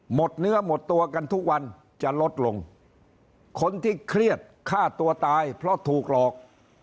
หมดเนื้อหมดตัวกันทุกวันจะลดลงคนที่เครียดฆ่าตัวตายเพราะถูกหลอก